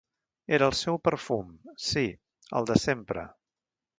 Era el seu perfum, sí, el de sempre.